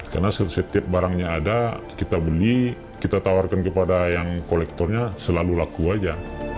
karena setiap barangnya ada kita beli kita tawarkan kepada yang kolektornya selalu laku aja